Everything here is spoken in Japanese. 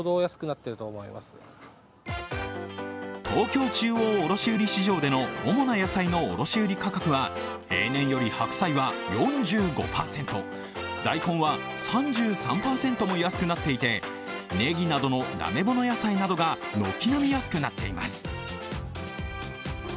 東京中央卸売市場での主な野菜の卸売価格は、平年より白菜は４５％、大根は３３％も安くなっていて、ねぎなどの鍋物野菜などが軒並み安くなっています。